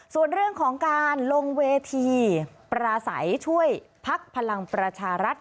ส่วนเรื่องของการลงเวทีปราศัยช่วยพักพลังประชารัฐ